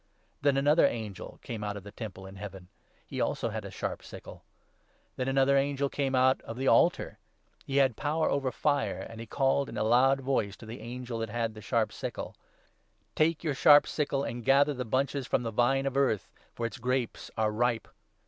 Then another angel came out of the Temple in Heaven ; he, 17 also, had a sharp sickle. Then another angel came out of the altar ; he had power 18 over fire, and he called in a loud voice to the angel that had the sharp sickle —' Take your sharp sickle, and gather the bunches from the Vine of Earth, for its grapes are ripe.'